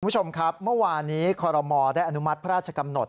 คุณผู้ชมครับเมื่อวานี้คอรมอลได้อนุมัติพระราชกำหนด